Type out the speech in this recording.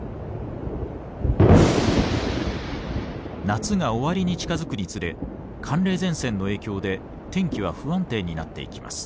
夏が終わりに近づくにつれ寒冷前線の影響で天気は不安定になっていきます。